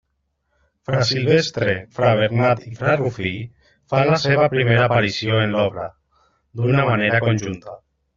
Fra Silvestre, fra Bernat i fra Rufí fan la seva primera aparició en l'obra, d'una manera conjunta.